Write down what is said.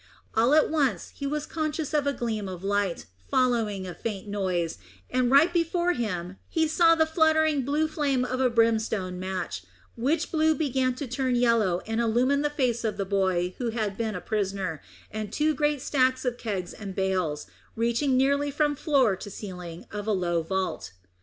All at once he was conscious of a gleam of light, following a faint noise, and right before him he saw the fluttering blue flame of a brimstone match, which blue began to turn yellow and illumine the face of the boy who had been a prisoner, and two great stacks of kegs and bales, reaching nearly from floor to ceiling of a low vault.